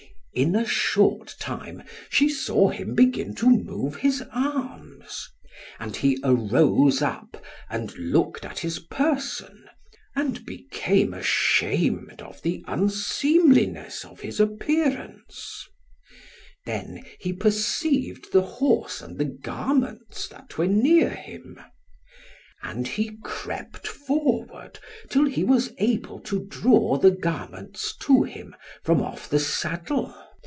In a short time she saw him begin to move his arms; and he arose up, and looked at his person, and became ashamed of the unseemliness of his appearance. Then he perceived the horse and the garments, that were near him. And he crept forward till he was able to draw the garments to him from off the saddle.